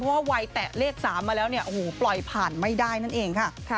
ว่าวัยแตะเลข๓มาแล้วเนี่ยโอ้โหปล่อยผ่านไม่ได้นั่นเองค่ะ